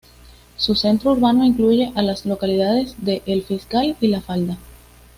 Su centro urbano incluye a las localidades de El Fiscal y La Falda.